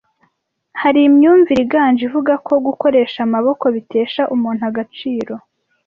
hari imyumvire iganje ivuga ko gukoresha amaboko bitesha umuntu agaciro.